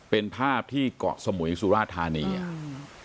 เป็นภาพที่เกาะสมุยสู่ราชธานีเออ